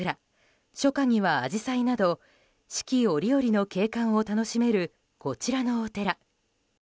初夏にはアジサイなど四季折々の景観を楽しめるこちらのお寺。